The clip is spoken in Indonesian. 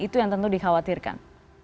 itu yang tentu dikhawatirkan